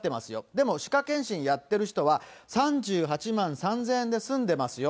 でも歯科健診やってる人は３８万３０００円で済んでますよ。